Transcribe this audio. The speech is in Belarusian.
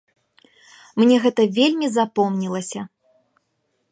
Мне гэта вельмі запомнілася.